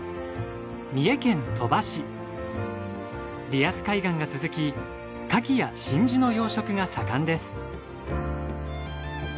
リアス海岸が続きカキや真珠の養殖が盛んです。